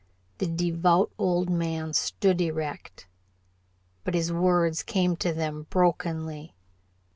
The devout old man stood erect, but his words came to them brokenly.